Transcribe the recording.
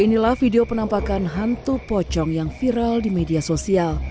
inilah video penampakan hantu pocong yang viral di media sosial